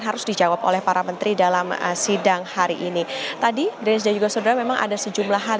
harus dijawab oleh para menteri dalam sidang hari ini tadi juga sudah memang ada sejumlah hal